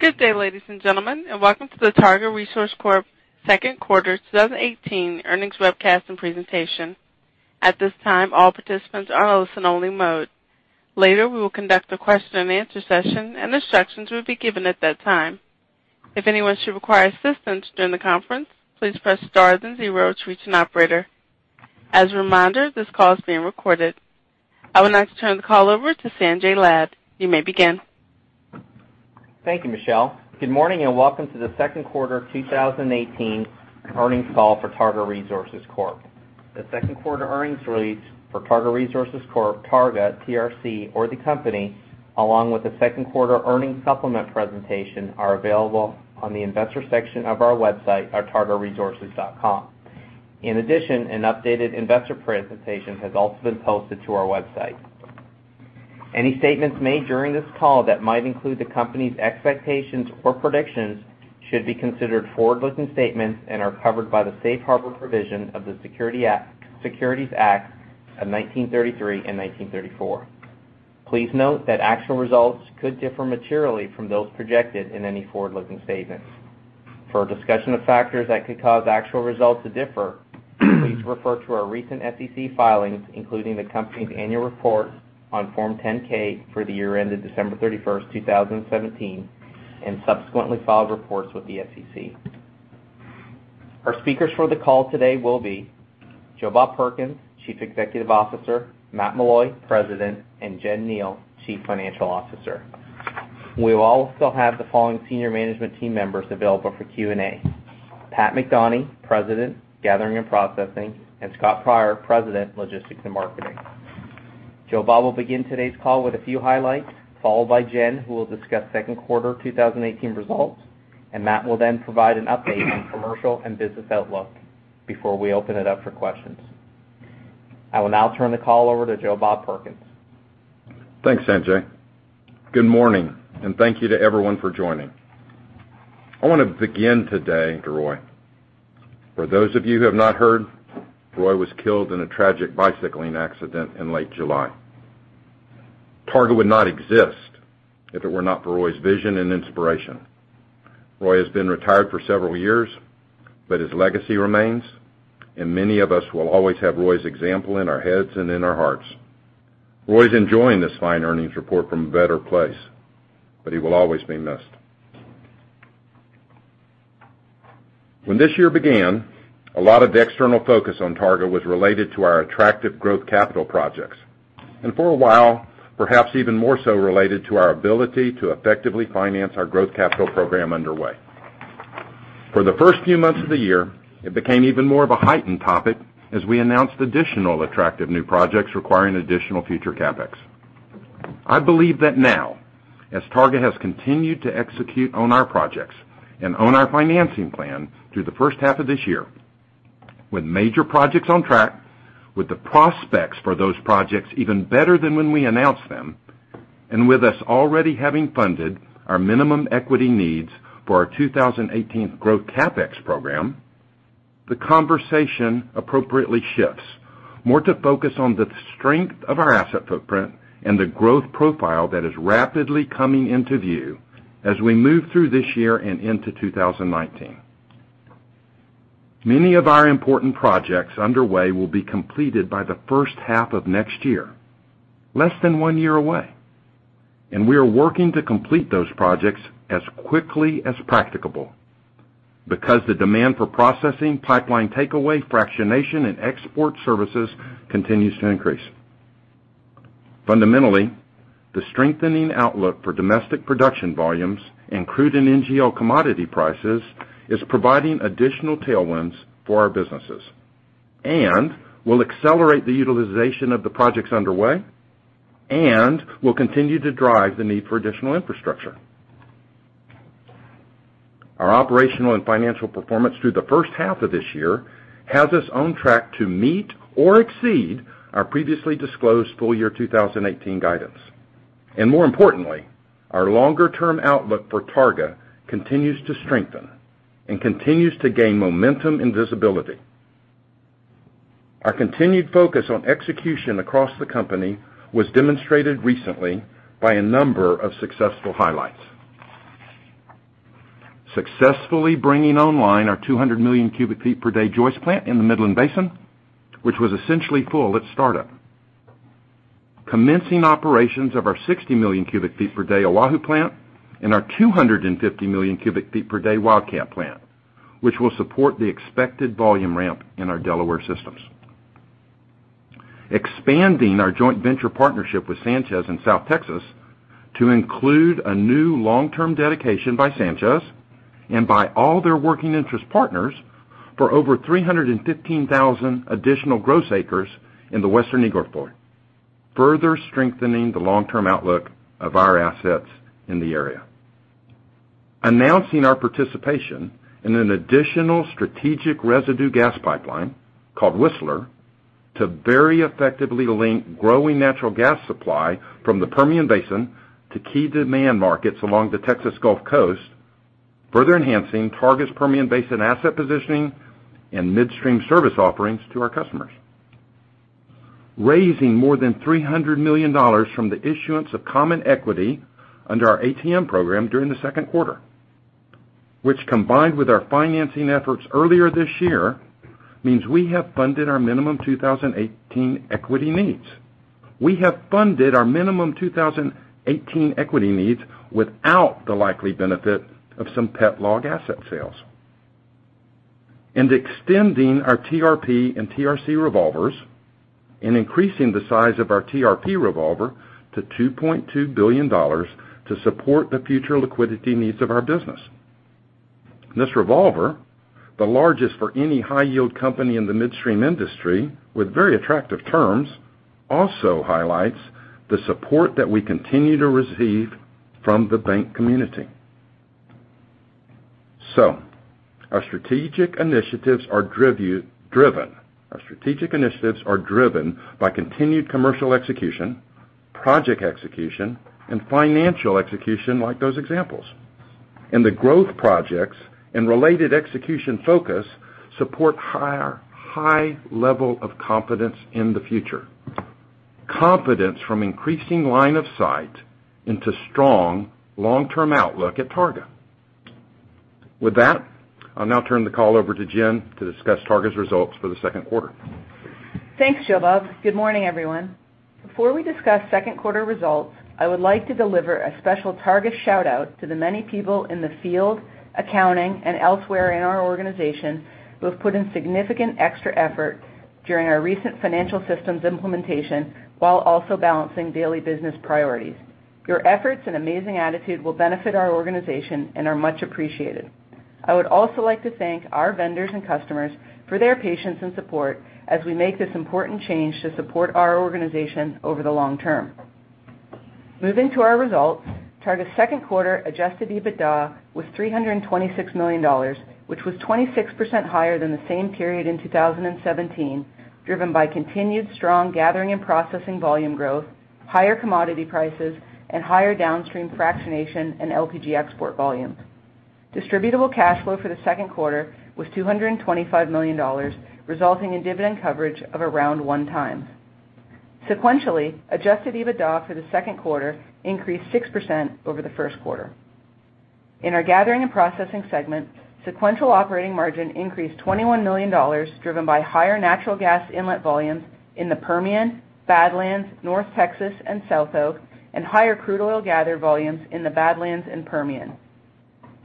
Good day, ladies and gentlemen, and welcome to the Targa Resources Corp second quarter 2018 earnings webcast and presentation. At this time, all participants are in listen only mode. Later, we will conduct a question and answer session and instructions will be given at that time. If anyone should require assistance during the conference, please press star then zero to reach an operator. As a reminder, this call is being recorded. I would now like to turn the call over to Sanjay Lad. You may begin. Thank you, Michelle. Good morning, and welcome to the second quarter 2018 earnings call for Targa Resources Corp. The second quarter earnings release for Targa Resources Corp, Targa, TRC, or the company, along with the second quarter earnings supplement presentation, are available on the investor section of our website at targaresources.com. In addition, an updated investor presentation has also been posted to our website. Any statements made during this call that might include the company's expectations or predictions should be considered forward-looking statements and are covered by the safe harbor provision of the Securities Act of 1933 and 1934. Please note that actual results could differ materially from those projected in any forward-looking statements. For a discussion of factors that could cause actual results to differ, please refer to our recent SEC filings, including the company's annual report on Form 10-K for the year ended December 31st, 2017, and subsequently filed reports with the SEC. Our speakers for the call today will be Joe Bob Perkins, Chief Executive Officer, Matt Meloy, President, and Jen Kneale, Chief Financial Officer. We will also have the following senior management team members available for Q&A. Pat McDonie, President - Gathering and Processing, and Scott Pryor, President - Logistics and Marketing. Joe Bob will begin today's call with a few highlights, followed by Jen, who will discuss second quarter 2018 results. Matt will then provide an update on commercial and business outlook before we open it up for questions. I will now turn the call over to Joe Bob Perkins. Thanks, Sanjay. Good morning, and thank you to everyone for joining. I want to begin today to Roy. For those of you who have not heard, Roy was killed in a tragic bicycling accident in late July. Targa would not exist if it were not for Roy's vision and inspiration. Roy has been retired for several years. Many of us will always have Roy's example in our heads and in our hearts. Roy's enjoying this fine earnings report from a better place. He will always be missed. When this year began, a lot of the external focus on Targa was related to our attractive growth capital projects. For a while, perhaps even more so related to our ability to effectively finance our growth capital program underway. For the first few months of the year, it became even more of a heightened topic as we announced additional attractive new projects requiring additional future CapEx. I believe that now, as Targa has continued to execute on our projects and own our financing plan through the first half of this year, with major projects on track, with the prospects for those projects even better than when we announced them, and with us already having funded our minimum equity needs for our 2018 growth CapEx program, the conversation appropriately shifts more to focus on the strength of our asset footprint and the growth profile that is rapidly coming into view as we move through this year and into 2019. Many of our important projects underway will be completed by the first half of next year, less than one year away. We are working to complete those projects as quickly as practicable because the demand for processing pipeline takeaway fractionation and export services continues to increase. Fundamentally, the strengthening outlook for domestic production volumes and crude and NGL commodity prices is providing additional tailwinds for our businesses and will accelerate the utilization of the projects underway and will continue to drive the need for additional infrastructure. Our operational and financial performance through the first half of this year has us on track to meet or exceed our previously disclosed full year 2018 guidance. More importantly, our longer-term outlook for Targa continues to strengthen and continues to gain momentum and visibility. Our continued focus on execution across the company was demonstrated recently by a number of successful highlights. Successfully bringing online our 200 million cubic feet per day Joyce plant in the Midland Basin, which was essentially full at startup. Commencing operations of our 60 million cubic feet per day Oahu plant and our 250 million cubic feet per day Wildcat plant, which will support the expected volume ramp in our Delaware systems. Expanding our joint venture partnership with Sanchez in South Texas to include a new long-term dedication by Sanchez and by all their working interest partners for over 315,000 additional gross acres in the Western Eagle Ford, further strengthening the long-term outlook of our assets in the area. Announcing our participation in an additional strategic residue gas pipeline called Whistler to very effectively link growing natural gas supply from the Permian Basin to key demand markets along the Texas Gulf Coast, further enhancing Targa's Permian Basin asset positioning and midstream service offerings to our customers. Raising more than $300 million from the issuance of common equity under our ATM program during the second quarter, which combined with our financing efforts earlier this year, means we have funded our minimum 2018 equity needs. We have funded our minimum 2018 equity needs without the likely benefit of some pet log asset sales. Extending our TRP and TRC revolvers and increasing the size of our TRP revolver to $2.2 billion to support the future liquidity needs of our business. This revolver, the largest for any high yield company in the midstream industry with very attractive terms, also highlights the support that we continue to receive from the bank community. Our strategic initiatives are driven by continued commercial execution, project execution, and financial execution, like those examples. The growth projects and related execution focus support high level of confidence in the future. Confidence from increasing line of sight into strong long-term outlook at Targa. With that, I will now turn the call over to Jen to discuss Targa’s results for the second quarter. Thanks, Joe Bob. Good morning, everyone. Before we discuss second quarter results, I would like to deliver a special Targa shout-out to the many people in the field, accounting, and elsewhere in our organization who have put in significant extra effort during our recent financial systems implementation while also balancing daily business priorities. Your efforts and amazing attitude will benefit our organization and are much appreciated. I would also like to thank our vendors and customers for their patience and support as we make this important change to support our organization over the long term. Moving to our results, Targa’s second quarter adjusted EBITDA was $326 million, which was 26% higher than the same period in 2017, driven by continued strong gathering and processing volume growth, higher commodity prices, and higher downstream fractionation and LPG export volumes. Distributable cash flow for the second quarter was $225 million, resulting in dividend coverage of around one times. Sequentially, adjusted EBITDA for the second quarter increased 6% over the first quarter. In our gathering and processing segment, sequential operating margin increased $21 million, driven by higher natural gas inlet volumes in the Permian, Badlands, North Texas, and SouthOK, and higher crude oil gathered volumes in the Badlands and Permian.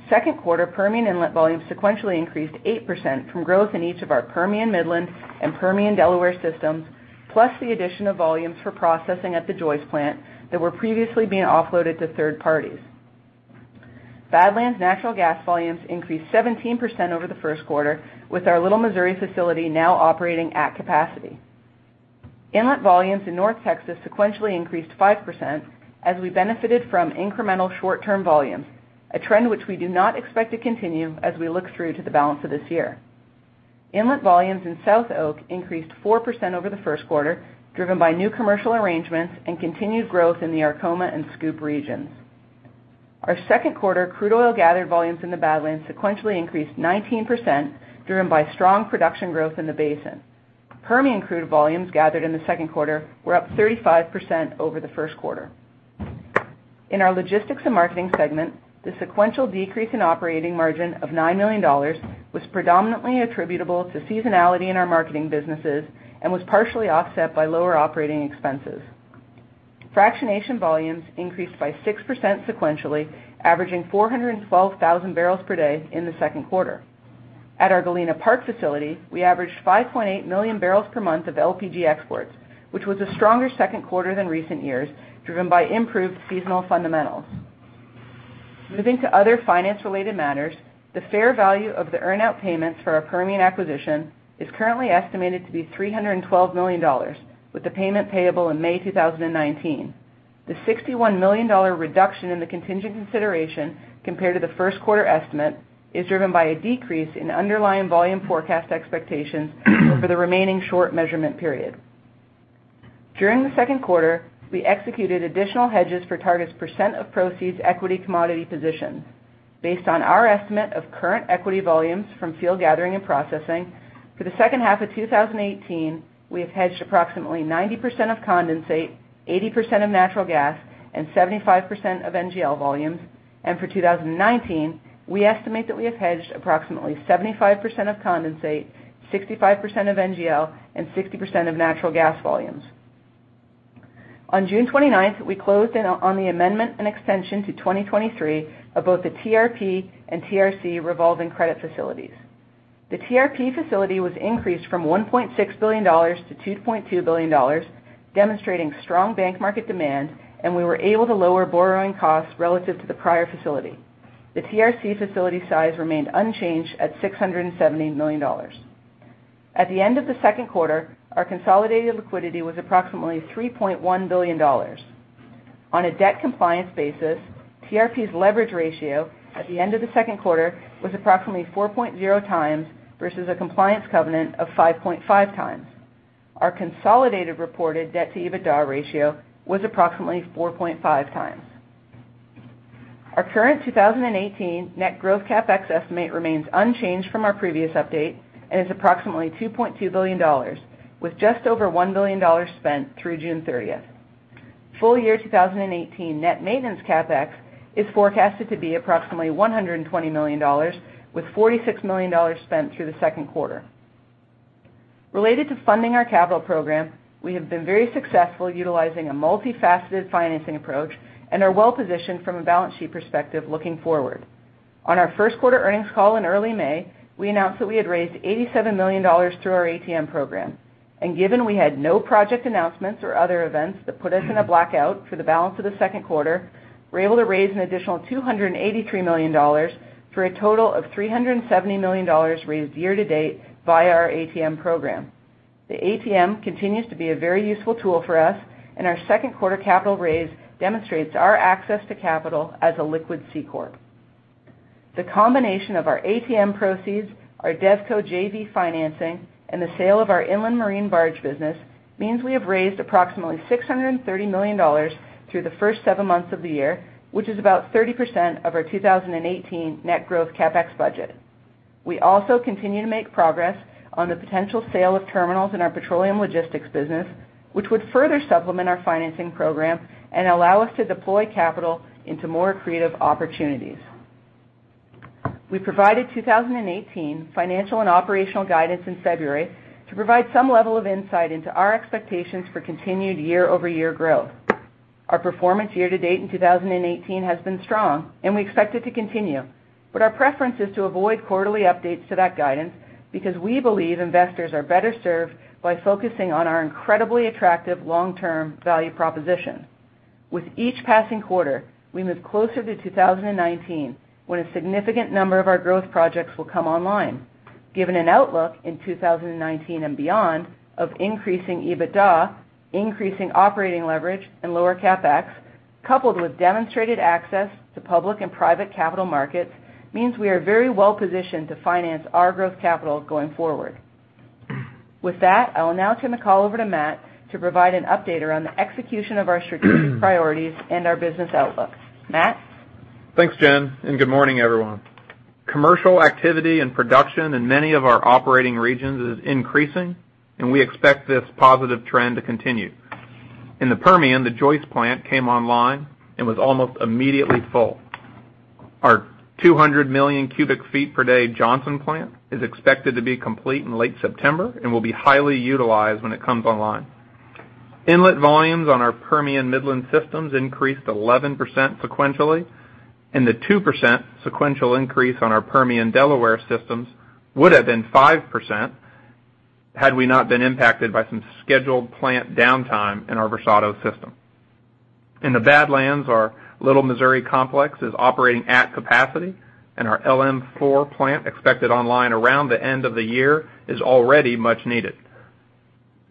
Second quarter Permian inlet volumes sequentially increased 8% from growth in each of our Permian Midland and Permian Delaware systems, plus the addition of volumes for processing at the Joyce plant that were previously being offloaded to third parties. Badlands natural gas volumes increased 17% over the first quarter, with our Little Missouri facility now operating at capacity. Inlet volumes in North Texas sequentially increased 5% as we benefited from incremental short-term volumes, a trend which we do not expect to continue as we look through to the balance of this year. Inlet volumes in SouthOK increased 4% over the first quarter, driven by new commercial arrangements and continued growth in the Arkoma and Scoop regions. Our second quarter crude oil gathered volumes in the Badlands sequentially increased 19%, driven by strong production growth in the basin. Permian crude volumes gathered in the second quarter were up 35% over the first quarter. In our logistics and marketing segment, the sequential decrease in operating margin of $9 million was predominantly attributable to seasonality in our marketing businesses and was partially offset by lower operating expenses. Fractionation volumes increased by 6% sequentially, averaging 412,000 barrels per day in the second quarter. At our Galena Park facility, we averaged 5.8 million barrels per month of LPG exports, which was a stronger second quarter than recent years, driven by improved seasonal fundamentals. Moving to other finance-related matters, the fair value of the earn out payments for our Permian acquisition is currently estimated to be $312 million, with the payment payable in May 2019. The $61 million reduction in the contingent consideration compared to the first quarter estimate is driven by a decrease in underlying volume forecast expectations for the remaining short measurement period. During the second quarter, we executed additional hedges for Targa's percent of proceeds equity commodity position. Based on our estimate of current equity volumes from field gathering and processing, for the second half of 2018, we have hedged approximately 90% of condensate, 80% of natural gas, and 75% of NGL volumes. For 2019, we estimate that we have hedged approximately 75% of condensate, 65% of NGL and 60% of natural gas volumes. On June 29th, we closed in on the amendment, an extension to 2023 of both the TRP and TRC revolving credit facilities. The TRP facility was increased from $1.6 billion to $2.2 billion, demonstrating strong bank market demand, and we were able to lower borrowing costs relative to the prior facility. The TRC facility size remained unchanged at $670 million. At the end of the second quarter, our consolidated liquidity was approximately $3.1 billion. On a debt compliance basis, TRP's leverage ratio at the end of the second quarter was approximately 4.0 times, versus a compliance covenant of 5.5 times. Our consolidated reported debt to EBITDA ratio was approximately 4.5 times. Our current 2018 net growth CapEx estimate remains unchanged from our previous update, and is approximately $2.2 billion, with just over $1 billion spent through June 30th. Full year 2018 net maintenance CapEx is forecasted to be approximately $120 million, with $46 million spent through the second quarter. Related to funding our capital program, we have been very successful utilizing a multifaceted financing approach, and are well-positioned from a balance sheet perspective looking forward. On our first quarter earnings call in early May, we announced that we had raised $87 million through our ATM program. Given we had no project announcements or other events that put us in a blackout for the balance of the second quarter, we were able to raise an additional $283 million, for a total of $370 million raised year-to-date via our ATM program. The ATM continues to be a very useful tool for us, and our second quarter capital raise demonstrates our access to capital as a liquid C corp. The combination of our ATM proceeds, our DevCo JV financing, and the sale of our inland marine barge business means we have raised approximately $630 million through the first seven months of the year, which is about 30% of our 2018 net growth CapEx budget. We also continue to make progress on the potential sale of terminals in our petroleum logistics business, which would further supplement our financing program and allow us to deploy capital into more creative opportunities. We provided 2018 financial and operational guidance in February to provide some level of insight into our expectations for continued year-over-year growth. Our performance year-to-date in 2018 has been strong, and we expect it to continue. Our preference is to avoid quarterly updates to that guidance, because we believe investors are better served by focusing on our incredibly attractive long-term value proposition. With each passing quarter, we move closer to 2019, when a significant number of our growth projects will come online. Given an outlook in 2019 and beyond of increasing EBITDA, increasing operating leverage, and lower CapEx, coupled with demonstrated access to public and private capital markets, means we are very well-positioned to finance our growth capital going forward. With that, I will now turn the call over to Matt to provide an update around the execution of our strategic priorities and our business outlook. Matt? Thanks, Jen, good morning, everyone. Commercial activity and production in many of our operating regions is increasing, and we expect this positive trend to continue. In the Permian, the Joyce plant came online and was almost immediately full. Our 200 million cubic feet per day Johnson plant is expected to be complete in late September and will be highly utilized when it comes online. Inlet volumes on our Permian Midland systems increased 11% sequentially, and the 2% sequential increase on our Permian Delaware systems would have been 5% had we not been impacted by some scheduled plant downtime in our Versado system. In the Badlands, our Little Missouri complex is operating at capacity, and our LM4 plant, expected online around the end of the year, is already much needed.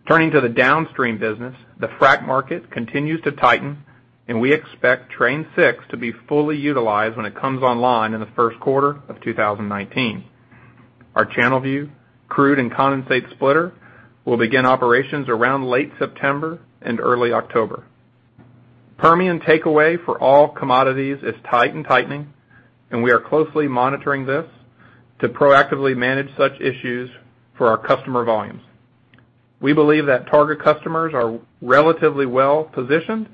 Turning to the downstream business, the frac market continues to tighten, and we expect Train 6 to be fully utilized when it comes online in the first quarter of 2019. Our Channelview crude and condensate splitter will begin operations around late September and early October. Permian takeaway for all commodities is tight and tightening, and we are closely monitoring this to proactively manage such issues for our customer volumes. We believe that Targa customers are relatively well-positioned,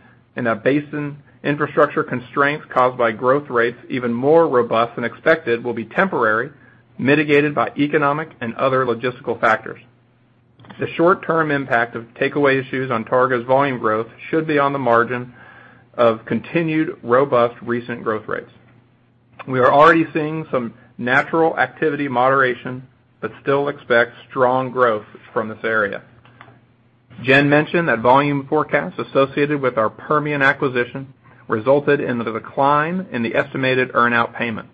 that basin infrastructure constraints caused by growth rates even more robust than expected will be temporary, mitigated by economic and other logistical factors. The short-term impact of takeaway issues on Targa's volume growth should be on the margin of continued robust recent growth rates. Still expect strong growth from this area. Jen mentioned that volume forecasts associated with our Permian acquisition resulted in the decline in the estimated earnout payment.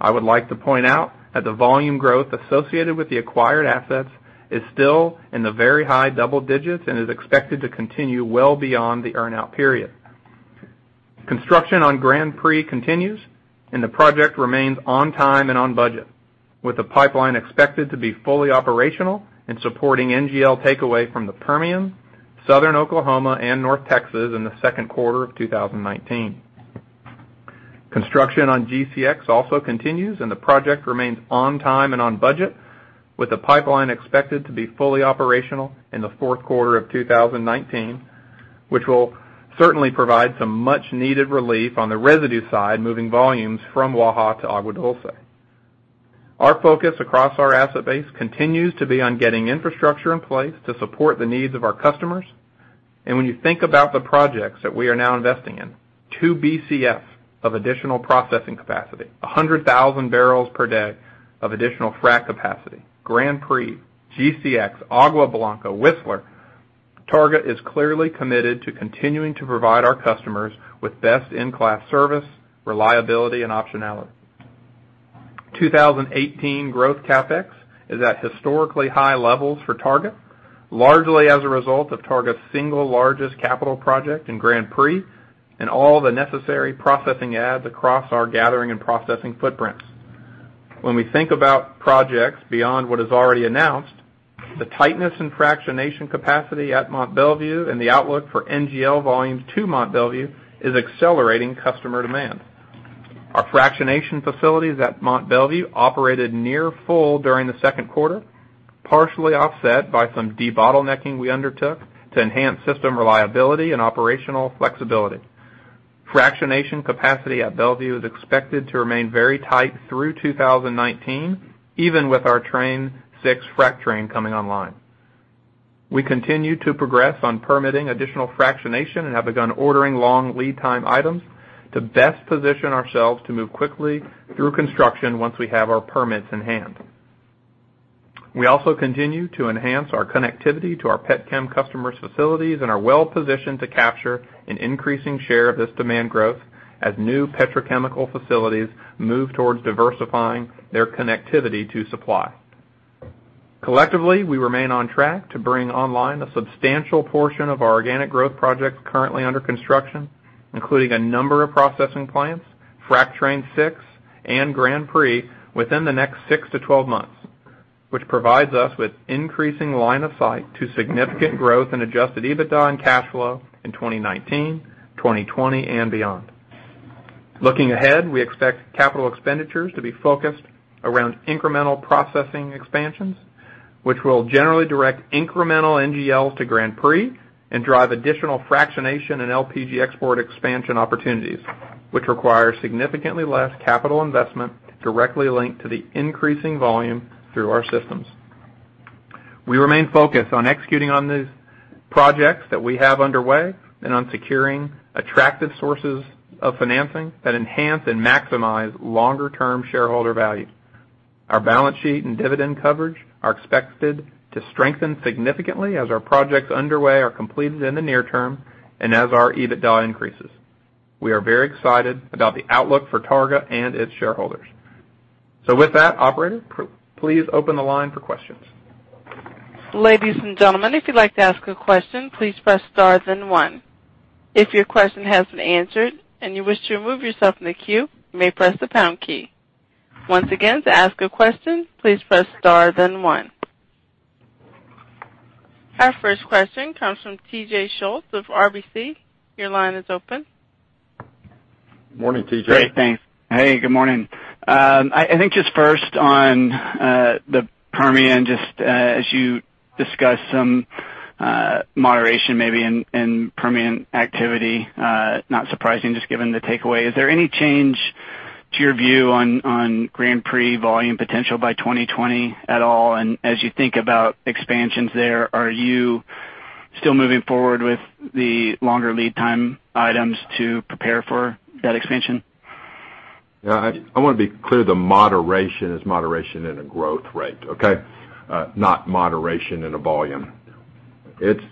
I would like to point out that the volume growth associated with the acquired assets is still in the very high double digits and is expected to continue well beyond the earnout period. Construction on Grand Prix continues, the project remains on time and on budget, with the pipeline expected to be fully operational and supporting NGL takeaway from the Permian, Southern Oklahoma, and North Texas in the second quarter of 2019. Construction on GCX also continues, the project remains on time and on budget, with the pipeline expected to be fully operational in the fourth quarter of 2019, which will certainly provide some much-needed relief on the residue side, moving volumes from Waha to Agua Dulce. Our focus across our asset base continues to be on getting infrastructure in place to support the needs of our customers. When you think about the projects that we are now investing in, 2 BCF of additional processing capacity, 100,000 barrels per day of additional Frac capacity, Grand Prix, GCX, Agua Blanca, Whistler, Targa is clearly committed to continuing to provide our customers with best-in-class service, reliability, and optionality. 2018 growth CapEx is at historically high levels for Targa, largely as a result of Targa's single largest capital project in Grand Prix and all the necessary processing adds across our gathering and processing footprints. When we think about projects beyond what is already announced, the tightness in fractionation capacity at Mont Belvieu and the outlook for NGL volumes to Mont Belvieu is accelerating customer demand. Our fractionation facilities at Mont Belvieu operated near full during the second quarter, partially offset by some debottlenecking we undertook to enhance system reliability and operational flexibility. Fractionation capacity at Belvieu is expected to remain very tight through 2019, even with our Train 6 Frac Train coming online. We continue to progress on permitting additional fractionation and have begun ordering long lead time items to best position ourselves to move quickly through construction once we have our permits in hand. We also continue to enhance our connectivity to our petchem customers' facilities and are well-positioned to capture an increasing share of this demand growth as new petrochemical facilities move towards diversifying their connectivity to supply. Collectively, we remain on track to bring online a substantial portion of our organic growth projects currently under construction, including a number of processing plants, Frac Train 6, and Grand Prix within the next 6 to 12 months, which provides us with increasing line of sight to significant growth in adjusted EBITDA and cash flow in 2019, 2020, and beyond. Looking ahead, we expect capital expenditures to be focused around incremental processing expansions, which will generally direct incremental NGLs to Grand Prix and drive additional fractionation and LPG export expansion opportunities, which require significantly less capital investment directly linked to the increasing volume through our systems. We remain focused on executing on these projects that we have underway and on securing attractive sources of financing that enhance and maximize longer-term shareholder value. Our balance sheet and dividend coverage are expected to strengthen significantly as our projects underway are completed in the near term and as our EBITDA increases. We are very excited about the outlook for Targa and its shareholders. With that, operator, please open the line for questions. Ladies and gentlemen, if you'd like to ask a question, please press star then one. If your question has been answered and you wish to remove yourself from the queue, you may press the pound key. Once again, to ask a question, please press star then one. Our first question comes from T.J. Schultz with RBC. Your line is open. Morning, T.J. Great, thanks. Hey, good morning. I think just first on the Permian, just as you discussed some moderation maybe in Permian activity, not surprising, just given the takeaway. Is there any change to your view on Grand Prix volume potential by 2020 at all? As you think about expansions there, are you still moving forward with the longer lead time items to prepare for that expansion? Yeah. I want to be clear, the moderation is moderation in a growth rate, okay? Not moderation in a volume. It's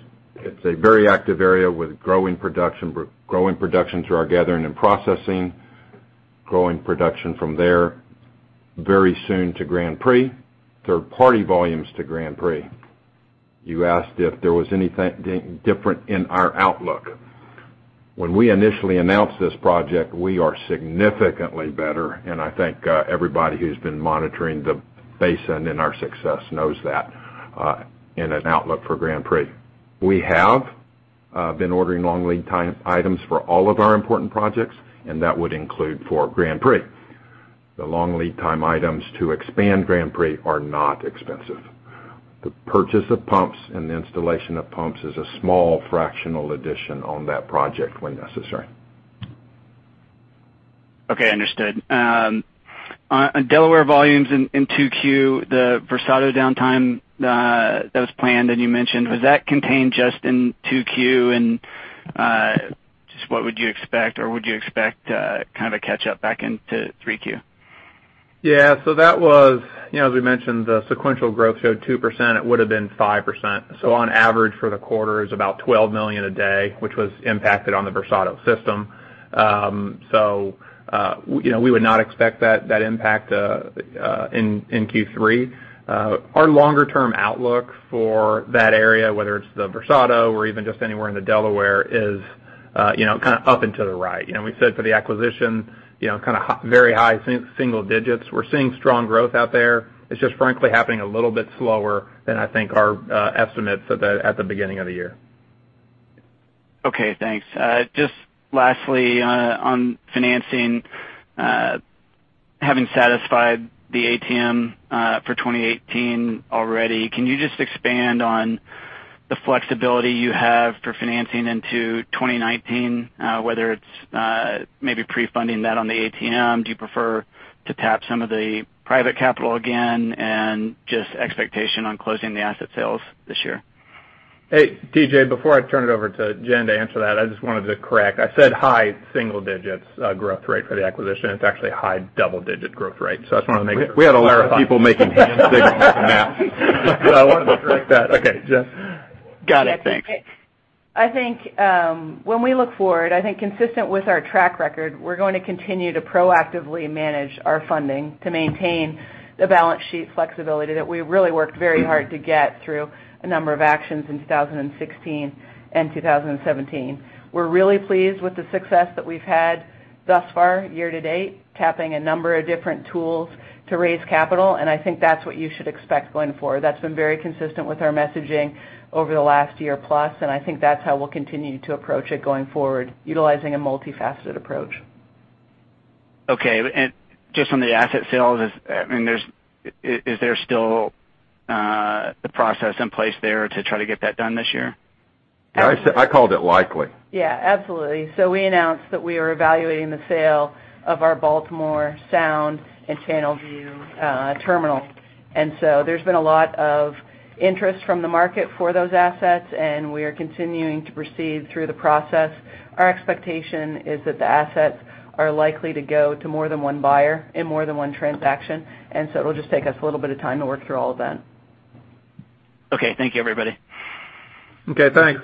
a very active area with growing production through our gathering and processing. Growing production from there very soon to Grand Prix. Third-party volumes to Grand Prix. You asked if there was anything different in our outlook. When we initially announced this project, we are significantly better, and I think everybody who's been monitoring the basin and our success knows that in an outlook for Grand Prix. We have been ordering long lead time items for all of our important projects, that would include for Grand Prix. The long lead time items to expand Grand Prix are not expensive. The purchase of pumps and the installation of pumps is a small fractional addition on that project when necessary. Okay. Understood. On Delaware volumes in Q2, the Versado downtime that was planned and you mentioned, was that contained just in Q2? What would you expect, or would you expect kind of a catch up back into Q3? Yeah. That was, as we mentioned, the sequential growth showed 2%, it would've been 5%. On average for the quarter is about 12 million a day, which was impacted on the Versado system. We would not expect that impact in Q3. Our longer-term outlook for that area, whether it's the Versado or even just anywhere in the Delaware, is kind of up and to the right. We said for the acquisition, kind of very high single digits. We're seeing strong growth out there. It's just frankly happening a little bit slower than I think our estimates at the beginning of the year. Okay, thanks. Just lastly on financing. Having satisfied the ATM for 2018 already, can you just expand on the flexibility you have for financing into 2019, whether it's maybe pre-funding that on the ATM? Do you prefer to tap some of the private capital again and just expectation on closing the asset sales this year? Hey, T.J., before I turn it over to Jen to answer that, I just wanted to correct. I said high single digits growth rate for the acquisition. It's actually a high double-digit growth rate. I just wanted to make it clear. I wanted to correct that. Okay. Jen. Got it. Thanks. Yeah. T.J., I think when we look forward, I think consistent with our track record, we're going to continue to proactively manage our funding to maintain The balance sheet flexibility that we really worked very hard to get through a number of actions in 2016 and 2017. We're really pleased with the success that we've had thus far year-to-date, tapping a number of different tools to raise capital. I think that's what you should expect going forward. That's been very consistent with our messaging over the last year plus. I think that's how we'll continue to approach it going forward, utilizing a multifaceted approach. Okay. Just on the asset sales, is there still the process in place there to try to get that done this year? I called it likely. Yeah, absolutely. We announced that we are evaluating the sale of our Baltimore, Tacoma, and Channelview terminals. There's been a lot of interest from the market for those assets, we are continuing to proceed through the process. Our expectation is that the assets are likely to go to more than one buyer in more than one transaction, it'll just take us a little bit of time to work through all of that. Okay. Thank you, everybody. Okay, thanks.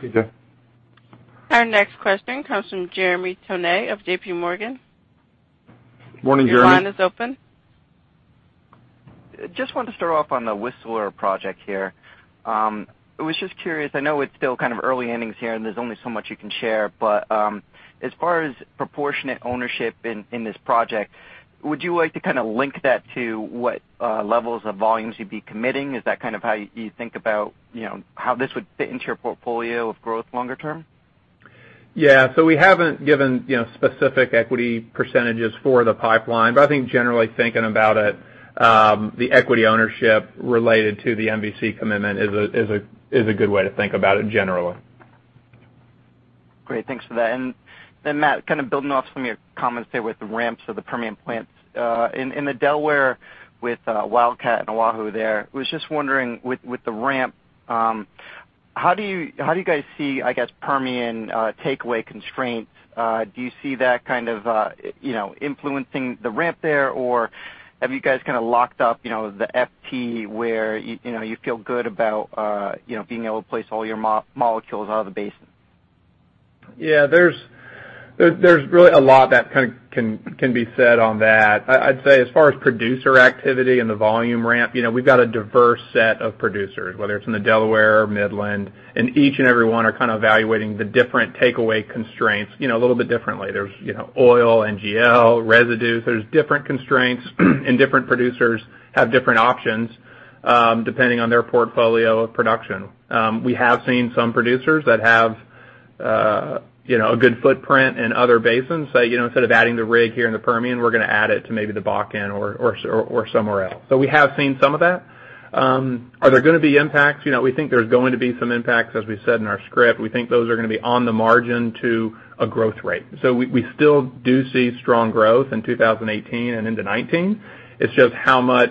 Our next question comes from Jeremy Tonet of JP Morgan. Morning, Jeremy. Your line is open. Wanted to start off on the Whistler project here. I was just curious, I know it's still kind of early innings here, and there's only so much you can share, but as far as proportionate ownership in this project, would you like to kind of link that to what levels of volumes you'd be committing? Is that kind of how you think about how this would fit into your portfolio of growth longer term? Yeah. We haven't given specific equity percentages for the pipeline, but I think generally thinking about it, the equity ownership related to the MVC commitment is a good way to think about it generally. Great. Thanks for that. Matt, kind of building off some of your comments there with the ramps of the Permian plants. In the Delaware with Wildcat and Oahu there, was just wondering with the ramp, how do you guys see, I guess, Permian takeaway constraints? Do you see that kind of influencing the ramp there, or have you guys kind of locked up the FT where you feel good about being able to place all your molecules out of the basin? Yeah. There's really a lot that can be said on that. I'd say as far as producer activity and the volume ramp, we've got a diverse set of producers, whether it's in the Delaware or Midland, and each and every one are kind of evaluating the different takeaway constraints a little bit differently. There's oil, NGL, residues. There's different constraints, and different producers have different options, depending on their portfolio of production. We have seen some producers that have a good footprint in other basins, say instead of adding the rig here in the Permian, we're going to add it to maybe the Bakken or somewhere else. We have seen some of that. Are there going to be impacts? We think there's going to be some impacts, as we said in our script. We think those are going to be on the margin to a growth rate. We still do see strong growth in 2018 and into 2019. It's just how much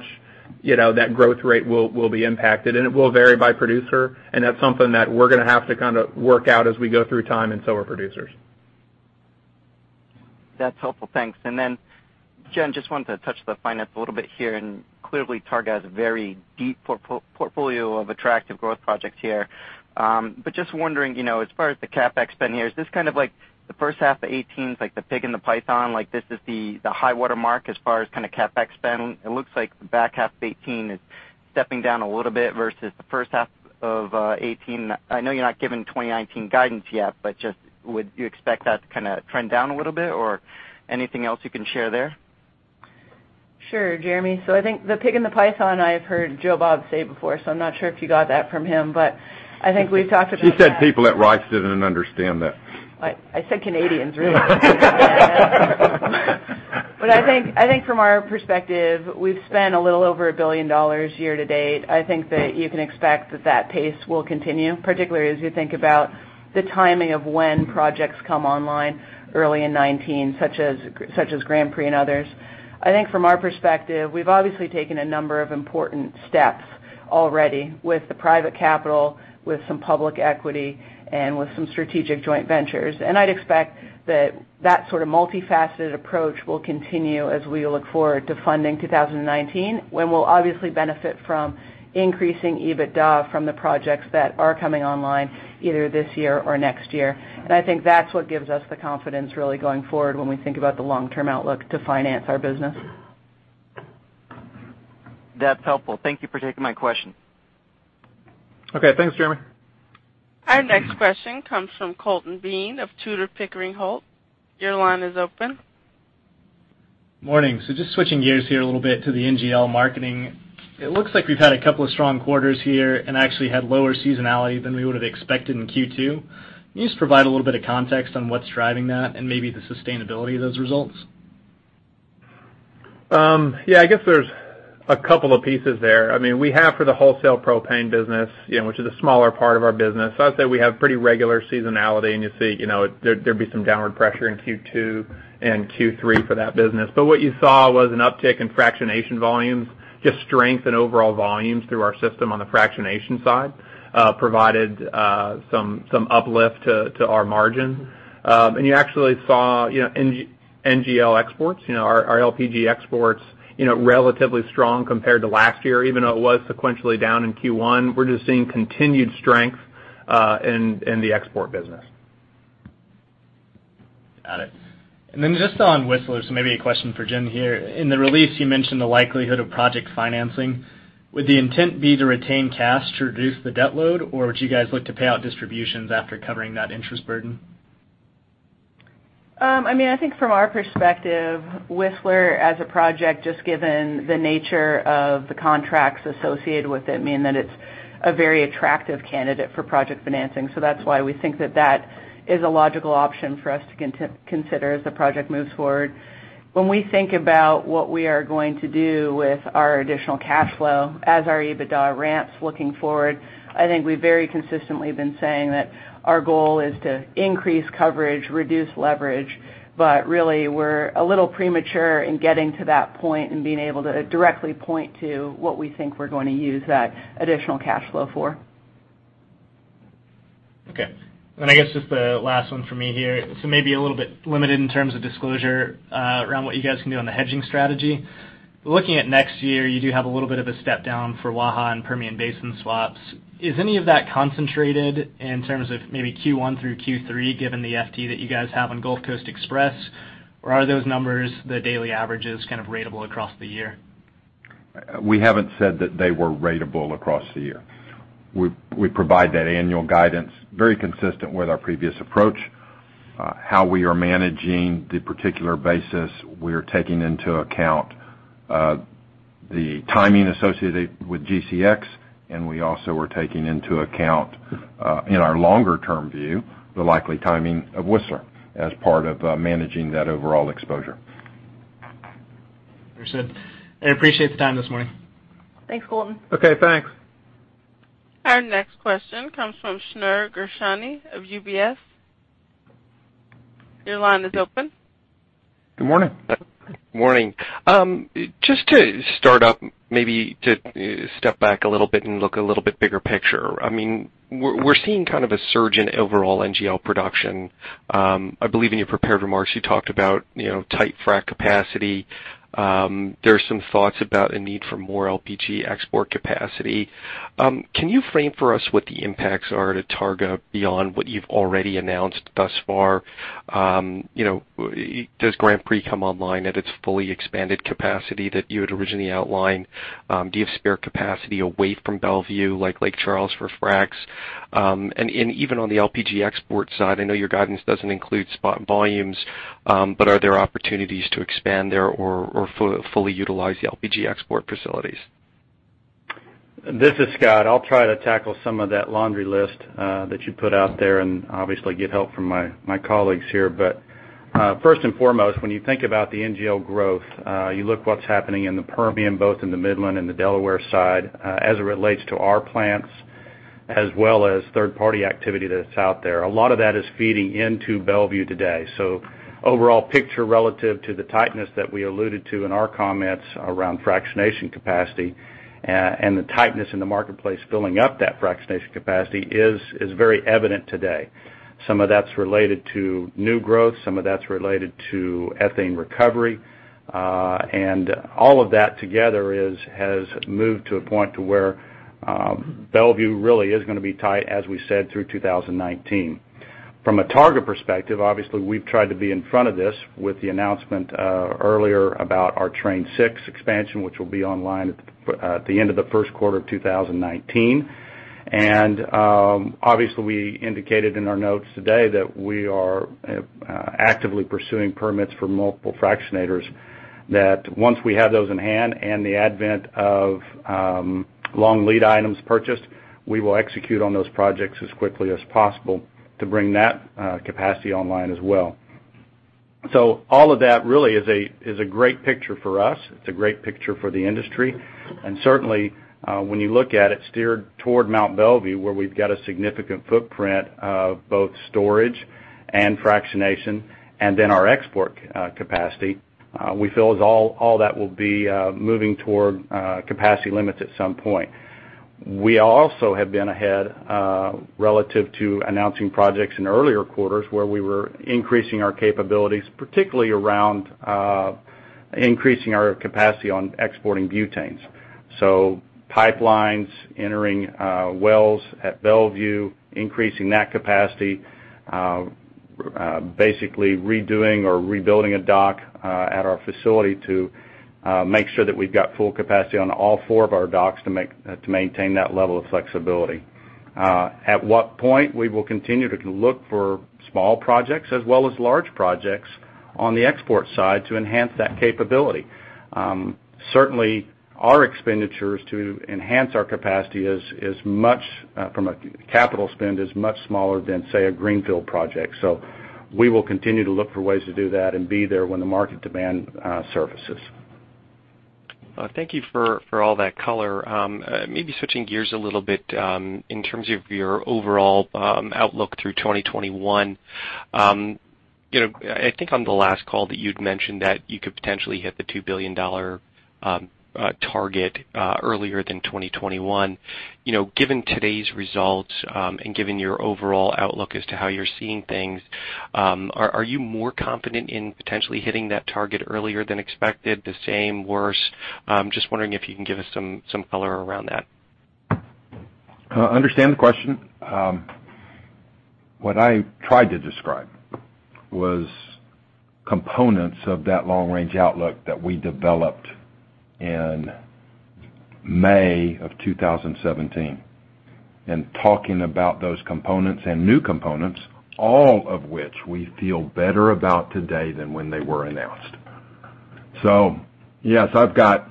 that growth rate will be impacted, and it will vary by producer, and that's something that we're going to have to kind of work out as we go through time, and so will producers. That's helpful. Thanks. Jen, just wanted to touch the finance a little bit here, clearly Targa has a very deep portfolio of attractive growth projects here. Just wondering, as far as the CapEx spend here, is this kind of like the first half of 2018 is like the pig and the python, like this is the high-water mark as far as kind of CapEx spend? It looks like the back half of 2018 is stepping down a little bit versus the first half of 2018. I know you're not giving 2019 guidance yet, just would you expect that to kind of trend down a little bit or anything else you can share there? Sure, Jeremy. I think the pig and the python I've heard Joe Bob say before, I'm not sure if you got that from him, I think we've talked about that. She said people at Rice didn't understand that. I said Canadians, really. I think from our perspective, we've spent a little over $1 billion year to date. I think that you can expect that that pace will continue, particularly as you think about the timing of when projects come online early in 2019, such as Grand Prix and others. I think from our perspective, we've obviously taken a number of important steps already with the private capital, with some public equity, and with some strategic joint ventures. I'd expect that sort of multifaceted approach will continue as we look forward to funding 2019, when we'll obviously benefit from increasing EBITDA from the projects that are coming online either this year or next year. I think that's what gives us the confidence, really, going forward when we think about the long-term outlook to finance our business. That's helpful. Thank you for taking my question. Okay. Thanks, Jeremy. Our next question comes from Colton Bean of Tudor, Pickering Holt. Your line is open. Morning. Just switching gears here a little bit to the NGL marketing. It looks like we've had a couple of strong quarters here and actually had lower seasonality than we would have expected in Q2. Can you just provide a little bit of context on what's driving that and maybe the sustainability of those results? Yeah, I guess there's a couple of pieces there. We have for the wholesale propane business, which is a smaller part of our business. I'd say we have pretty regular seasonality, and there'd be some downward pressure in Q2 and Q3 for that business. What you saw was an uptick in fractionation volumes, just strength in overall volumes through our system on the fractionation side provided some uplift to our margin. You actually saw NGL exports, our LPG exports relatively strong compared to last year, even though it was sequentially down in Q1. We're just seeing continued strength in the export business. Got it. Just on Whistler, maybe a question for Jen here. In the release, you mentioned the likelihood of project financing. Would the intent be to retain cash to reduce the debt load, or would you guys look to pay out distributions after covering that interest burden? I think from our perspective, Whistler as a project, just given the nature of the contracts associated with it, mean that it's a very attractive candidate for project financing. That's why we think that that is a logical option for us to consider as the project moves forward. When we think about what we are going to do with our additional cash flow as our EBITDA ramps looking forward, I think we've very consistently been saying that our goal is to increase coverage, reduce leverage, really we're a little premature in getting to that point and being able to directly point to what we think we're going to use that additional cash flow for. Okay. I guess just the last one for me here. Maybe a little bit limited in terms of disclosure around what you guys can do on the hedging strategy. Looking at next year, you do have a little bit of a step down for Waha and Permian Basin swaps. Is any of that concentrated in terms of maybe Q1 through Q3, given the FT that you guys have on Gulf Coast Express? Or are those numbers, the daily averages kind of ratable across the year? We haven't said that they were ratable across the year. We provide that annual guidance very consistent with our previous approach. How we are managing the particular basis, we are taking into account the timing associated with GCX, and we also are taking into account, in our longer-term view, the likely timing of Whistler as part of managing that overall exposure. Understood. I appreciate the time this morning. Thanks, Colton. Okay, thanks. Our next question comes from Shneur Gershuni of UBS. Your line is open. Good morning. Morning. Just to start up, maybe to step back a little bit and look a little bit bigger picture. We're seeing kind of a surge in overall NGL production. I believe in your prepared remarks, you talked about tight frac capacity. There's some thoughts about a need for more LPG export capacity. Can you frame for us what the impacts are to Targa beyond what you've already announced thus far? Does Grand Prix come online at its fully expanded capacity that you had originally outlined? Do you have spare capacity away from Belvieu, like Lake Charles for fracs? Even on the LPG export side, I know your guidance doesn't include spot volumes, but are there opportunities to expand there or fully utilize the LPG export facilities? This is Scott. I'll try to tackle some of that laundry list that you put out there and obviously get help from my colleagues here. First and foremost, when you think about the NGL growth, you look what's happening in the Permian, both in the Midland and the Delaware side, as it relates to our plants, as well as third-party activity that's out there. A lot of that is feeding into Belvieu today. Overall picture relative to the tightness that we alluded to in our comments around fractionation capacity and the tightness in the marketplace filling up that fractionation capacity is very evident today. Some of that's related to new growth, some of that's related to ethane recovery. All of that together has moved to a point to whereBelvieu really is going to be tight, as we said, through 2019. From a Targa perspective, obviously, we've tried to be in front of this with the announcement earlier about our Train 6 expansion, which will be online at the end of the first quarter of 2019. Obviously, we indicated in our notes today that we are actively pursuing permits for multiple fractionators, that once we have those in hand and the advent of long lead items purchased, we will execute on those projects as quickly as possible to bring that capacity online as well. All of that really is a great picture for us. It's a great picture for the industry. Certainly, when you look at it steered toward Mont Belvieu, where we've got a significant footprint of both storage and fractionation, and then our export capacity, we feel as all that will be moving toward capacity limits at some point. We also have been ahead relative to announcing projects in earlier quarters where we were increasing our capabilities, particularly around increasing our capacity on exporting butanes. Pipelines entering wells at Mont Belvieu, increasing that capacity, basically redoing or rebuilding a dock at our facility to make sure that we've got full capacity on all four of our docks to maintain that level of flexibility. At what point we will continue to look for small projects as well as large projects on the export side to enhance that capability. Certainly, our expenditures to enhance our capacity from a capital spend is much smaller than, say, a greenfield project. We will continue to look for ways to do that and be there when the market demand surfaces. Thank you for all that color. Maybe switching gears a little bit in terms of your overall outlook through 2021. I think on the last call that you'd mentioned that you could potentially hit the $2 billion target earlier than 2021. Given today's results and given your overall outlook as to how you're seeing things, are you more confident in potentially hitting that target earlier than expected, the same, worse? Just wondering if you can give us some color around that. I understand the question. What I tried to describe was components of that long-range outlook that we developed in May of 2017, talking about those components and new components, all of which we feel better about today than when they were announced. Yes, I've got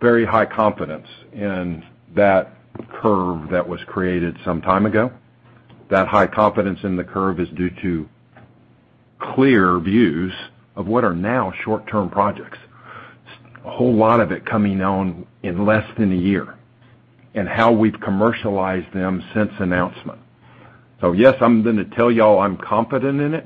very high confidence in that curve that was created some time ago. That high confidence in the curve is due to clear views of what are now short-term projects, a whole lot of it coming on in less than a year, how we've commercialized them since announcement. Yes, I'm going to tell y'all I'm confident in it,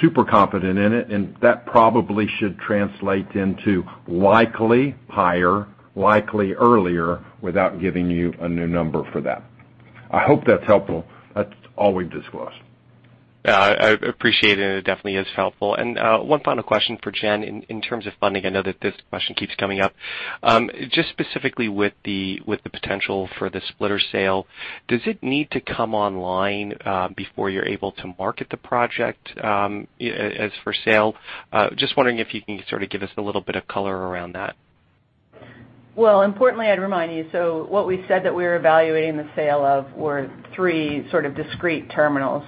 super confident in it, that probably should translate into likely higher, likely earlier, without giving you a new number for that. I hope that's helpful. That's all we've disclosed. I appreciate it, and it definitely is helpful. One final question for Jen. In terms of funding, I know that this question keeps coming up. Just specifically with the potential for the splitter sale, does it need to come online before you're able to market the project as for sale? Just wondering if you can sort of give us a little bit of color around that. Importantly, I'd remind you, what we said that we were evaluating the sale of were three sort of discrete terminals.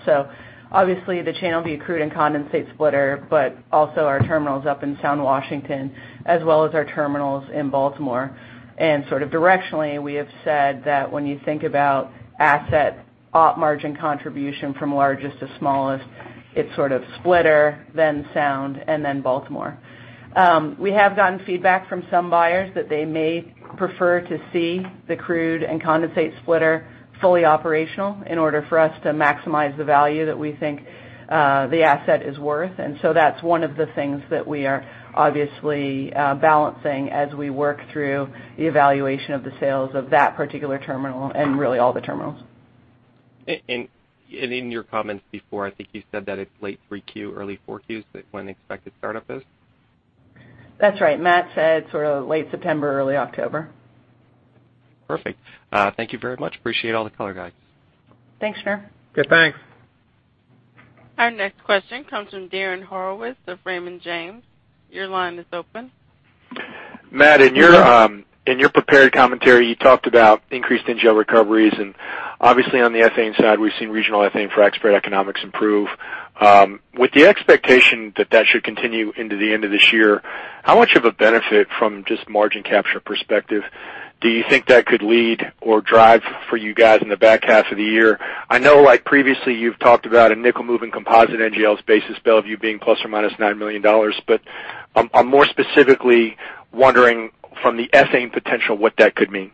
Obviously the Channelview crude and condensate splitter, but also our terminals up in Tacoma, Washington, as well as our terminals in Baltimore. Sort of directionally, we have said that when you think about asset op margin contribution from largest to smallest, it's sort of splitter, then Tacoma, and then Baltimore. We have gotten feedback from some buyers that they may prefer to see the crude and condensate splitter fully operational in order for us to maximize the value that we think the asset is worth. That's one of the things that we are obviously balancing as we work through the evaluation of the sales of that particular terminal and really all the terminals. In your comments before, I think you said that it's late 3Q, early 4Q, is when expected startup is? That's right. Matt said sort of late September, early October. Perfect. Thank you very much. Appreciate all the color, guys. Thanks, Shneur. Okay, thanks. Our next question comes from Darren Horowitz of Raymond James. Your line is open. Matt, in your prepared commentary, you talked about increased NGL recoveries, and obviously on the ethane side, we've seen regional ethane frac spread economics improve. With the expectation that that should continue into the end of this year, how much of a benefit from just margin capture perspective do you think that could lead or drive for you guys in the back half of the year? I know previously you've talked about a nickel move in composite NGLs basis Mont Belvieu being ±$9 million, but I'm more specifically wondering from the ethane potential what that could mean.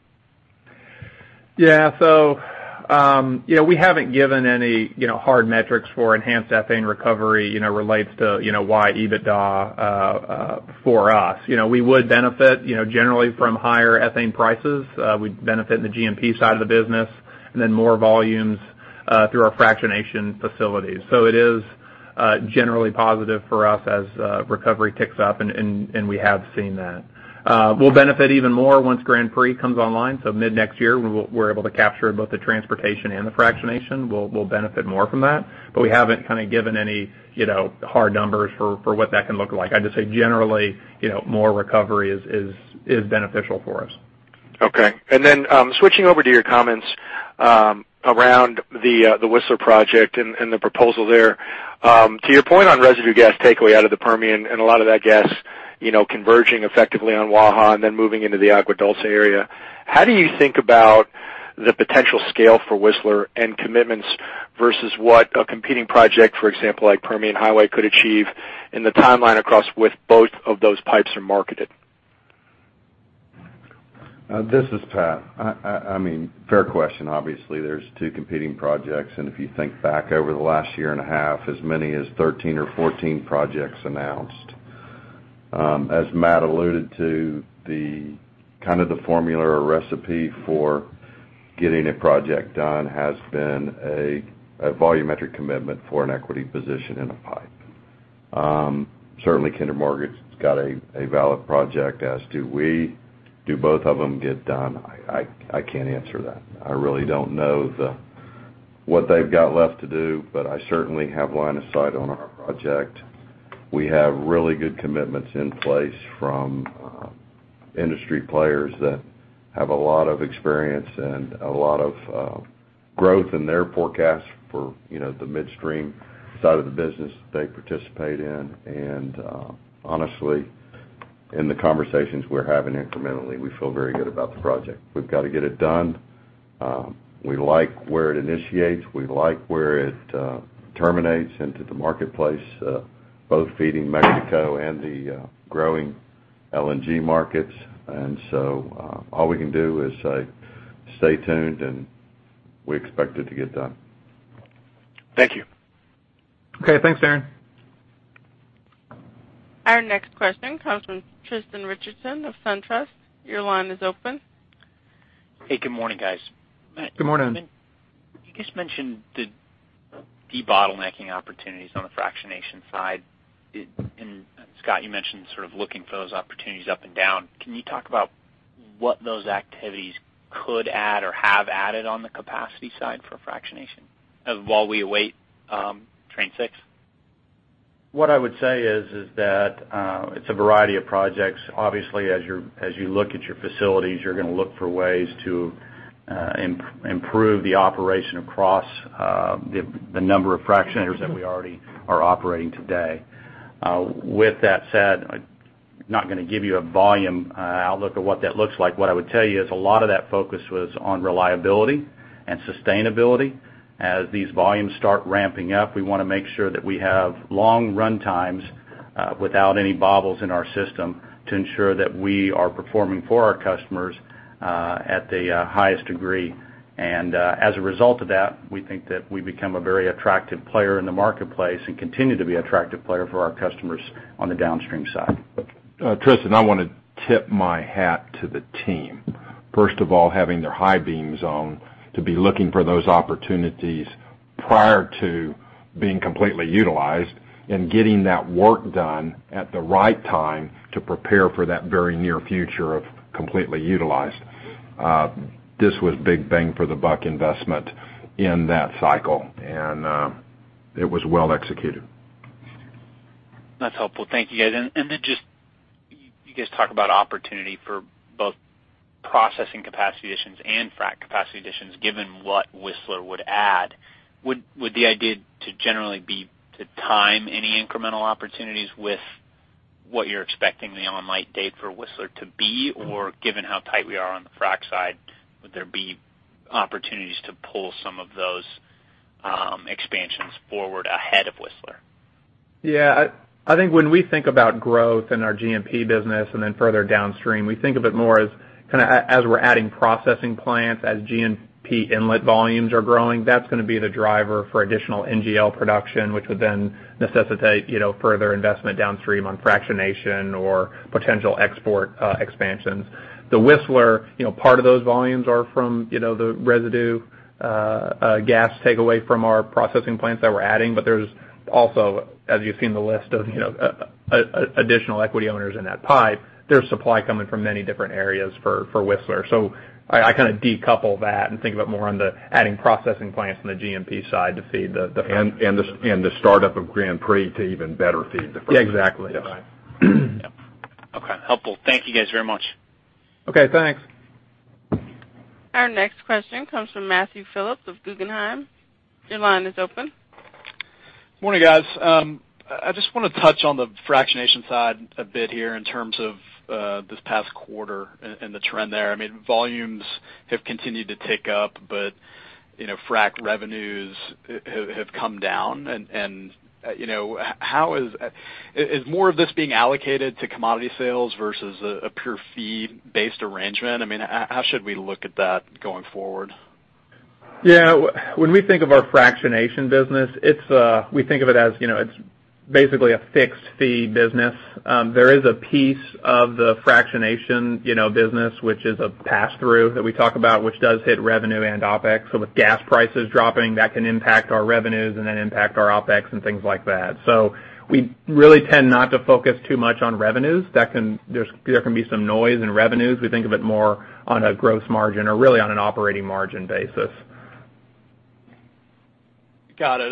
Yeah. We haven't given any hard metrics for enhanced ethane recovery relates to why EBITDA for us. We would benefit generally from higher ethane prices. We'd benefit in the G&P side of the business and then more volumes through our fractionation facilities. It is generally positive for us as recovery ticks up, and we have seen that. We'll benefit even more once Grand Prix comes online. Mid-next year, we're able to capture both the transportation and the fractionation. We'll benefit more from that, but we haven't kind of given any hard numbers for what that can look like. I'd just say generally, more recovery is beneficial for us. Okay. Switching over to your comments around the Whistler project and the proposal there. To your point on residue gas takeaway out of the Permian and a lot of that gas converging effectively on Waha and then moving into the Agua Dulce area, how do you think about the potential scale for Whistler and commitments versus what a competing project, for example, like Permian Highway, could achieve in the timeline across with both of those pipes are marketed? This is Pat. Fair question. Obviously, there's two competing projects, and if you think back over the last year and a half, as many as 13 or 14 projects announced. As Matt alluded to, the kind of the formula or recipe for getting a project done has been a volumetric commitment for an equity position in a pipe. Certainly, Kinder Morgan's got a valid project, as do we. Do both of them get done? I can't answer that. I really don't know what they've got left to do, but I certainly have line of sight on our project. We have really good commitments in place from industry players that have a lot of experience and a lot of growth in their forecast for the midstream side of the business they participate in. Honestly, in the conversations we're having incrementally, we feel very good about the project. We've got to get it done. We like where it initiates. We like where it terminates into the marketplace, both feeding Mexico and the growing LNG markets. All we can do is say, "Stay tuned," and we expect it to get done. Thank you. Okay. Thanks, Darren. Our next question comes from Tristan Richardson of SunTrust. Your line is open. Hey, good morning, guys. Good morning. You just mentioned the de-bottlenecking opportunities on the fractionation side. Scott, you mentioned looking for those opportunities up and down. Can you talk about what those activities could add or have added on the capacity side for fractionation while we await Train 6? What I would say is that it's a variety of projects. Obviously, as you look at your facilities, you're going to look for ways to improve the operation across the number of fractionators that we already are operating today. With that said, I'm not going to give you a volume outlook of what that looks like. What I would tell you is a lot of that focus was on reliability and sustainability. As these volumes start ramping up, we want to make sure that we have long run times without any bobbles in our system to ensure that we are performing for our customers at the highest degree. As a result of that, we think that we become a very attractive player in the marketplace and continue to be an attractive player for our customers on the downstream side. Tristan, I want to tip my hat to the team. First of all, having their high beams on to be looking for those opportunities prior to being completely utilized and getting that work done at the right time to prepare for that very near future of completely utilized. This was big bang for the buck investment in that cycle. It was well executed. That's helpful. Thank you, guys. Then just, you guys talk about opportunity for both processing capacity additions and Frac capacity additions, given what Whistler would add. Would the idea generally be to time any incremental opportunities with what you're expecting the online date for Whistler to be? Given how tight we are on the Frac side, would there be opportunities to pull some of those expansions forward ahead of Whistler? Yeah. I think when we think about growth in our G&P business then further downstream, we think of it more as we're adding processing plants, as G&P inlet volumes are growing. That's going to be the driver for additional NGL production, which would then necessitate further investment downstream on fractionation or potential export expansions. The Whistler, part of those volumes are from the residue gas takeaway from our processing plants that we're adding. There's also, as you've seen the list of additional equity owners in that pipe, there's supply coming from many different areas for Whistler. I decouple that and think of it more on the adding processing plants on the G&P side to feed the- The startup of Grand Prix to even better feed the front end. Yeah, exactly. Yes. Yep. Okay. Helpful. Thank you guys very much. Okay, thanks. Our next question comes from Matthew Phillips of Guggenheim. Your line is open. Morning, guys. I just want to touch on the fractionation side a bit here in terms of this past quarter and the trend there. Volumes have continued to tick up, but frac revenues have come down. Is more of this being allocated to commodity sales versus a pure fee-based arrangement? How should we look at that going forward? Yeah. When we think of our fractionation business, we think of it as basically a fixed-fee business. There is a piece of the fractionation business which is a pass-through that we talk about, which does hit revenue and OPEX. With gas prices dropping, that can impact our revenues and then impact our OPEX and things like that. We really tend not to focus too much on revenues. There can be some noise in revenues. We think of it more on a gross margin or really on an operating margin basis. Got it.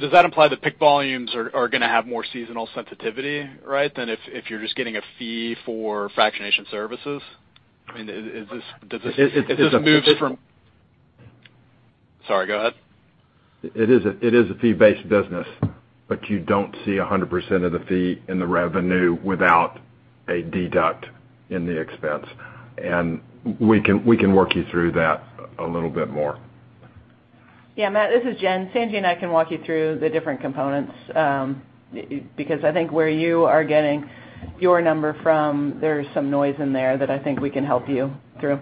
Does that imply that PIK volumes are going to have more seasonal sensitivity, right? Than if you're just getting a fee for fractionation services? Sorry, go ahead. It is a fee-based business, you don't see 100% of the fee in the revenue without a deduct in the expense. We can work you through that a little bit more. Matt, this is Jen. Sanjay and I can walk you through the different components, because I think where you are getting your number from, there is some noise in there that I think we can help you through.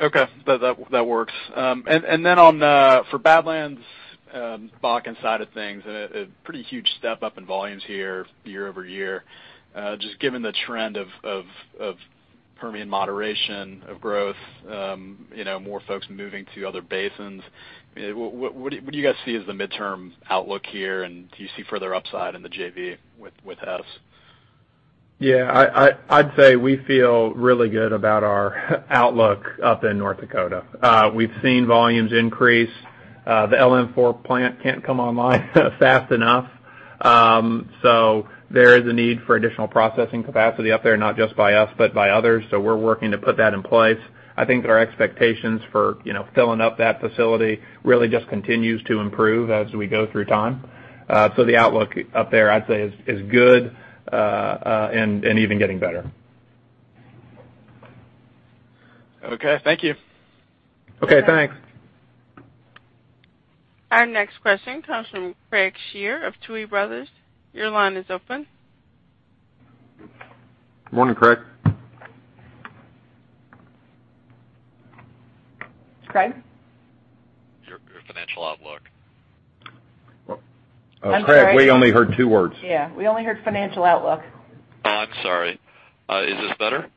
Okay. That works. For Badlands Bakken side of things, a pretty huge step-up in volumes here year-over-year. Just given the trend of Permian moderation of growth, more folks moving to other basins, what do you guys see as the midterm outlook here, and do you see further upside in the JV with us? I'd say we feel really good about our outlook up in North Dakota. We've seen volumes increase. The LM4 plant can't come online fast enough. There is a need for additional processing capacity up there, not just by us, but by others. We're working to put that in place. I think that our expectations for filling up that facility really just continues to improve as we go through time. The outlook up there, I'd say is good, and even getting better. Okay. Thank you. Okay, thanks. Our next question comes from Craig Shere of Tuohy Brothers. Your line is open. Morning, Craig. Craig? Your financial outlook Craig, we only heard two words. Yeah. We only heard financial outlook. I'm sorry. Is this better?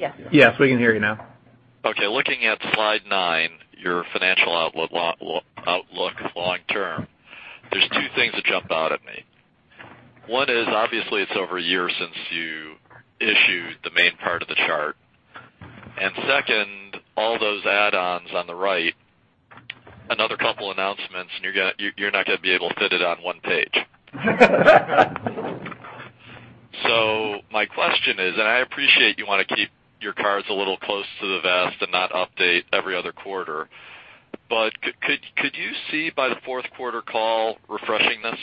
Yes. Yes, we can hear you now. Okay, looking at slide nine, your financial outlook long-term, there's two things that jump out at me. One is, obviously, it's over a year since you issued the main part of the chart. Second, all those add-ons on the right, another couple announcements, and you're not going to be able to fit it on one page. My question is, I appreciate you want to keep your cards a little close to the vest and not update every other quarter, could you see by the fourth quarter call refreshing this?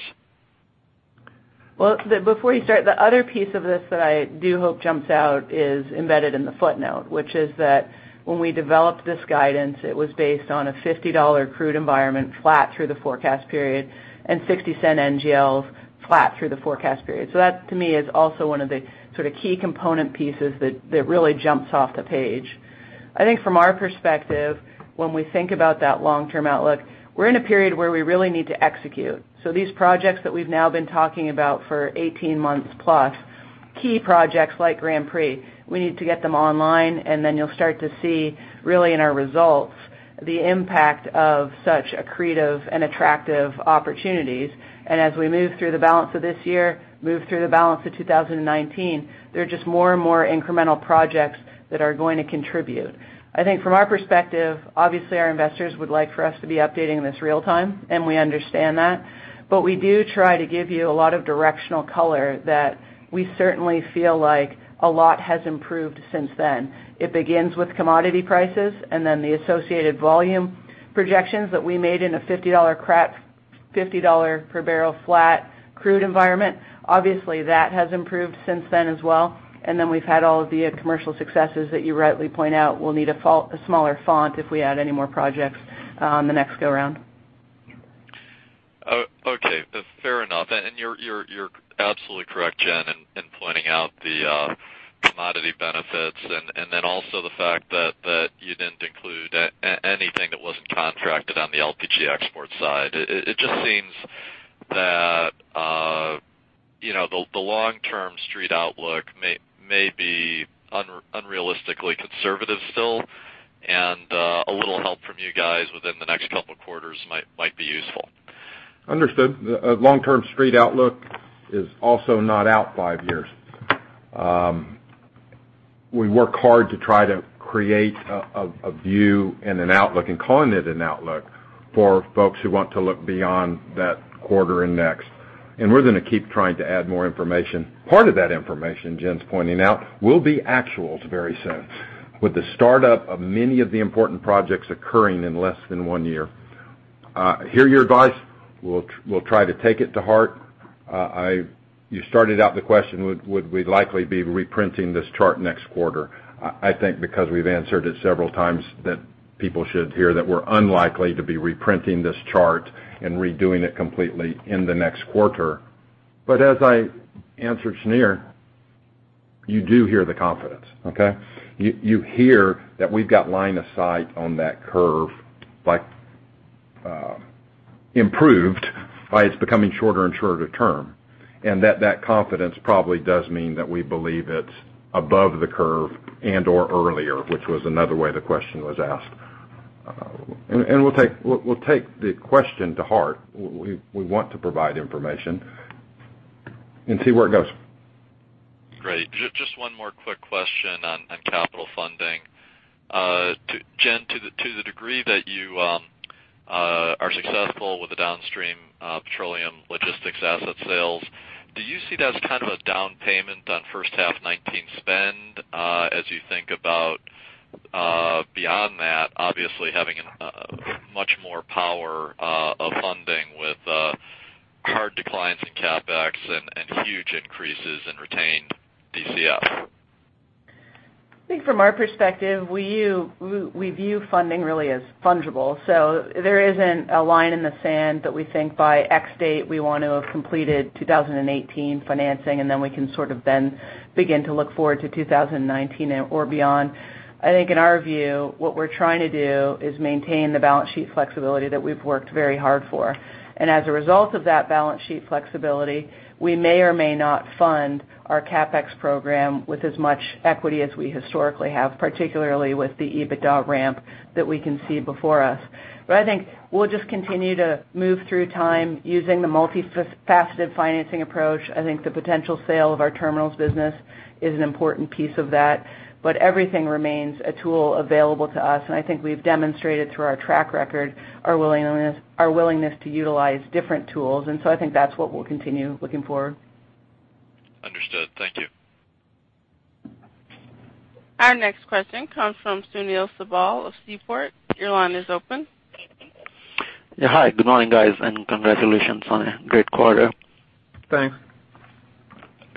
Well, before you start, the other piece of this that I do hope jumps out is embedded in the footnote, which is that when we developed this guidance, it was based on a $50 crude environment flat through the forecast period and $0.60 NGLs flat through the forecast period. That to me is also one of the sort of key component pieces that really jumps off the page. I think from our perspective, when we think about that long-term outlook, we're in a period where we really need to execute. These projects that we've now been talking about for 18 months+, key projects like Grand Prix, we need to get them online, and then you'll start to see really in our results, the impact of such accretive and attractive opportunities. As we move through the balance of this year, move through the balance of 2019, there are just more and more incremental projects that are going to contribute. I think from our perspective, obviously our investors would like for us to be updating this real-time, and we understand that. We do try to give you a lot of directional color that we certainly feel like a lot has improved since then. It begins with commodity prices and then the associated volume projections that we made in a $50 per barrel flat crude environment. Obviously, that has improved since then as well, and then we've had all of the commercial successes that you rightly point out we'll need a smaller font if we add any more projects on the next go-around. Okay. Fair enough. You're absolutely correct, Jen, in pointing out the commodity benefits and then also the fact that you didn't include anything that wasn't contracted on the LPG export side. It just seems that the long-term street outlook may be unrealistically conservative still, and a little help from you guys within the next couple quarters might be useful. Understood. Long-term street outlook is also not out five years. We work hard to try to create a view and an outlook and calling it an outlook for folks who want to look beyond that quarter and next. We're going to keep trying to add more information. Part of that information Jen's pointing out will be actuals very soon with the startup of many of the important projects occurring in less than one year. I hear your advice. We'll try to take it to heart. You started out the question, would we likely be reprinting this chart next quarter? I think because we've answered it several times that people should hear that we're unlikely to be reprinting this chart and redoing it completely in the next quarter. As I answered Shneur, you do hear the confidence, okay? You hear that we've got line of sight on that curve, improved by it's becoming shorter and shorter term, and that confidence probably does mean that we believe it's above the curve and/or earlier, which was another way the question was asked. We'll take the question to heart. We want to provide information and see where it goes. Great. Just one more quick question on capital funding. Jen, to the degree that you are successful with the downstream petroleum logistics asset sales, do you see that as kind of a down payment on first half 2019 spend as you think about beyond that, obviously having much more power of funding with hard declines in CapEx and huge increases in retained DCF? I think from our perspective, we view funding really as fungible. There isn't a line in the sand that we think by X date we want to have completed 2018 financing, and then we can sort of then begin to look forward to 2019 or beyond. I think in our view, what we're trying to do is maintain the balance sheet flexibility that we've worked very hard for. As a result of that balance sheet flexibility, we may or may not fund our CapEx program with as much equity as we historically have, particularly with the EBITDA ramp that we can see before us. I think we'll just continue to move through time using the multi-faceted financing approach. I think the potential sale of our terminals business is an important piece of that, but everything remains a tool available to us, and I think we've demonstrated through our track record our willingness to utilize different tools. I think that's what we'll continue looking forward. Understood. Thank you. Our next question comes from Sunil Sibal of Seaport. Your line is open. Yeah. Hi, good morning, guys. Congratulations on a great quarter. Thanks.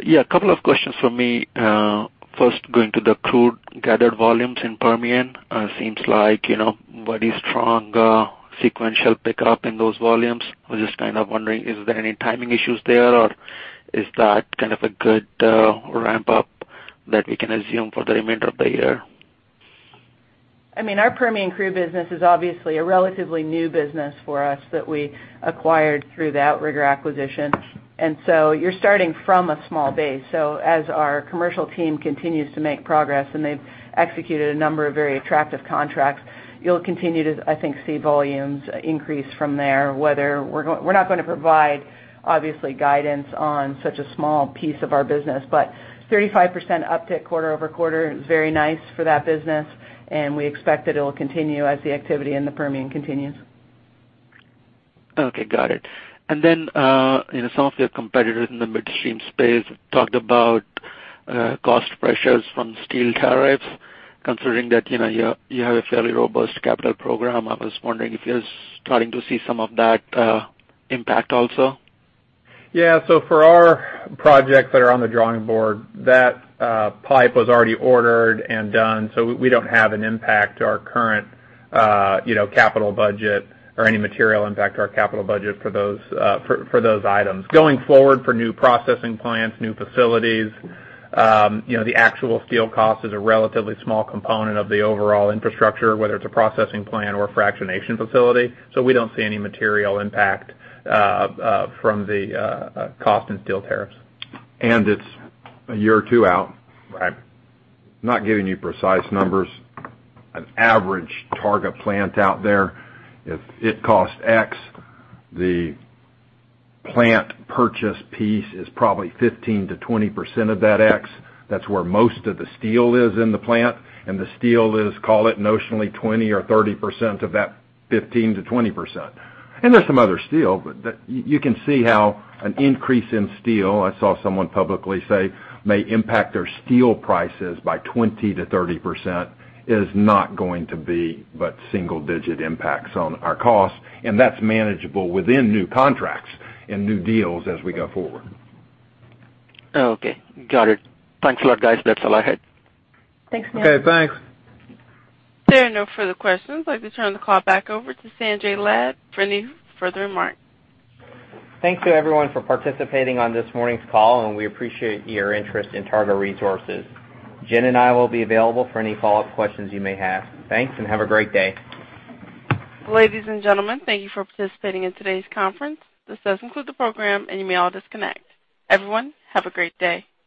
Yeah, a couple of questions from me. First, going to the crude gathered volumes in Permian. Seems like very strong sequential pickup in those volumes. I was just kind of wondering, is there any timing issues there, or is that kind of a good ramp-up that we can assume for the remainder of the year? Our Permian crude business is obviously a relatively new business for us that we acquired through the Outrigger acquisition. You're starting from a small base. As our commercial team continues to make progress, and they've executed a number of very attractive contracts, you'll continue to, I think, see volumes increase from there. We're not going to provide, obviously, guidance on such a small piece of our business, but 35% uptick quarter-over-quarter is very nice for that business, and we expect that it will continue as the activity in the Permian continues. Okay, got it. Some of your competitors in the midstream space talked about cost pressures from steel tariffs. Considering that you have a fairly robust capital program, I was wondering if you're starting to see some of that impact also. Yeah. For our projects that are on the drawing board, that pipe was already ordered and done, so we don't have an impact to our current capital budget or any material impact to our capital budget for those items. Going forward, for new processing plants, new facilities, the actual steel cost is a relatively small component of the overall infrastructure, whether it's a processing plant or a fractionation facility. We don't see any material impact from the cost in steel tariffs. It's a year or two out. Right. Not giving you precise numbers. An average Targa plant out there, if it costs X, the plant purchase piece is probably 15%-20% of that X. That's where most of the steel is in the plant. The steel is, call it notionally, 20%-30% of that 15%-20%. There's some other steel, you can see how an increase in steel, I saw someone publicly say may impact their steel prices by 20%-30%, is not going to be but single digit impacts on our costs, and that's manageable within new contracts and new deals as we go forward. Okay. Got it. Thanks a lot, guys. That's all I had. Thanks, Sunil. Okay, thanks. There are no further questions. I'd like to turn the call back over to Sanjay Lad for any further remarks. Thank you everyone for participating on this morning's call. We appreciate your interest in Targa Resources. Jen and I will be available for any follow-up questions you may have. Thanks, have a great day. Ladies and gentlemen, thank you for participating in today's conference. This does conclude the program. You may all disconnect. Everyone, have a great day.